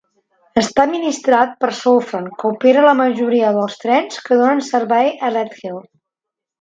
Està administrat per Southern, que opera la majoria dels trens que donen servei a Redhill.